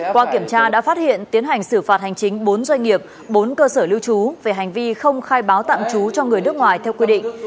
qua kiểm tra đã phát hiện tiến hành xử phạt hành chính bốn doanh nghiệp bốn cơ sở lưu trú về hành vi không khai báo tạm trú cho người nước ngoài theo quy định